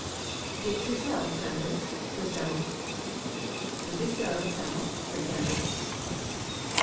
"It's yersel, Sanders," said Sam'l. "It is so, Sam'l," said Sanders.